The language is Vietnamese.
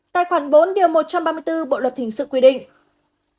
tài khoản bốn điều một trăm ba mươi bốn bộ luật hình sự quy định